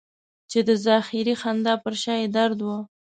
چې د ظاهري خندا تر شا یې درد و.